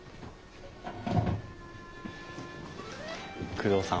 工藤さん。